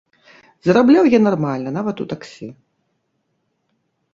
Зарабляў я нармальна, нават у таксі.